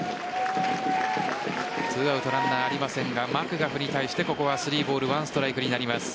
２アウトランナーありませんがマクガフに対してここは３ボール１ストライクになります。